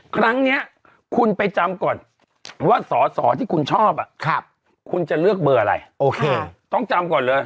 ครั้งนี้คุณไปจำก่อนว่าสอสอที่คุณชอบคุณจะเลือกเบอร์อะไรโอเคต้องจำก่อนเลย